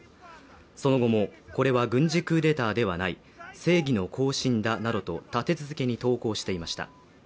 その後も、これは軍事クーデターではない正義の行進だなどと立て続けに投稿していました。